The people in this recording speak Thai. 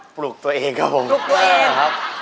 ปลูกตัวเองครับผม